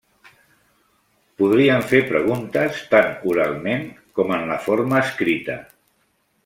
Podrien fer preguntes tant oralment com en la forma escrita.